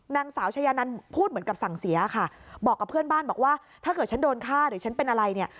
นางสาวชายานันพูดเหมือนกับสั่งเสียค่ะบอกกับเพื่อนบ้านบอกว่าถ้าเกิดฉันโดนฆ่าหรือฉันเป็นอะไรเนี่ย